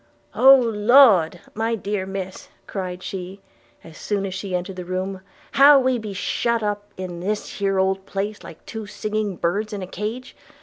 'Oh, laud! my dear miss,' cried she, as soon as she entered the room, 'how we be shut up in this here old place like two little singing birds in a cage!